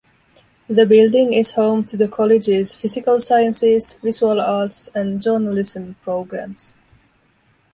The building is home to the college's physical sciences, visual arts, and journalism programs.